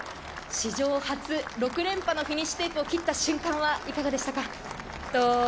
史上初、６連覇のフィニッシュテープを切った瞬間はいかがでしたか？